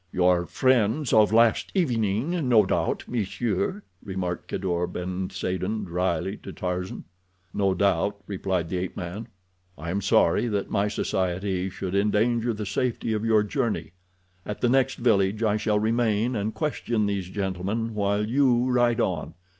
"Your friends of last evening, no doubt, monsieur," remarked Kadour ben Saden dryly to Tarzan. "No doubt," replied the ape man. "I am sorry that my society should endanger the safety of your journey. At the next village I shall remain and question these gentlemen, while you ride on.